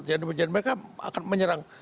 jadi mereka akan menyerang